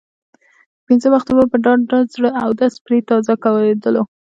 پنځه وخته به په ډاډه زړه اودس پرې تازه کېدلو.